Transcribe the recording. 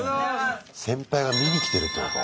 先輩が見に来てるってこと？